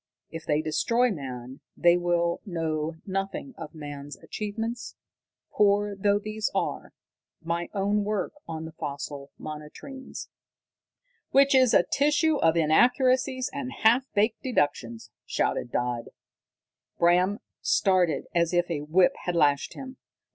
If they destroy man, they will know nothing of man's achievements, poor though these are. My own work on the fossil monotremes " "Which is a tissue of inaccuracies and half baked deductions!" shouted Dodd. Bram started as if a whip had lashed him.